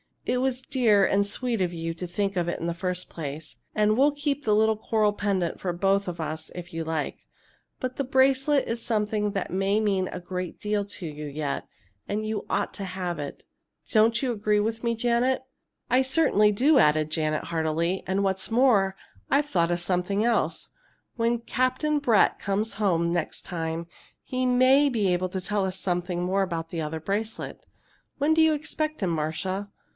It was dear and sweet of you to think of it in the first place and we'll keep the little coral pendant for both of us if you like. But the bracelet is something that may mean a great deal to you yet, and you ought to have it. Don't you agree with me, Janet?" "I certainly do," added Janet, heartily; "and what's more, I've thought of something else. When Captain Brett comes home next time, he may be able to tell us something more about the other bracelet. When do you expect him, Marcia?"